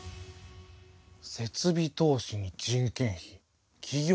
設備投資に人件費。